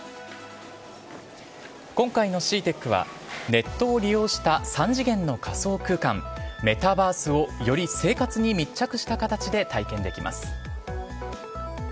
今回のＣＥＡＴＥＣは、ネットを利用した３次元の仮想空間、メタバースをより生活に密着した形で体験できます。